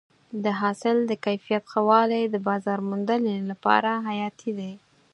د حاصل د کیفیت ښه والی د بازار موندنې لپاره حیاتي دی.